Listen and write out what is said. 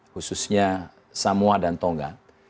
khususnya samoa dan tonga